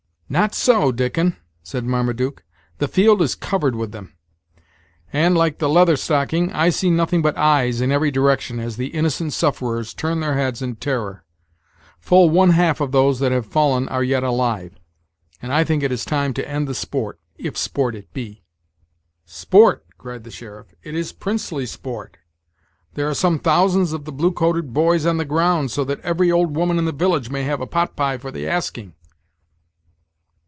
"Not so, Dickon," said Marmaduke; "the field is covered with them; and, like the Leather Stocking, I see nothing but eyes, in every direction, as the innocent sufferers turn their heads in terror. Full one half of those that have fallen are yet alive; and I think it is time to end the sport, if sport it be." "Sport!" cried the sheriff; "it is princely sport! There are some thousands of the blue coated boys on the ground, so that every old woman in the village may have a pot pie for the asking."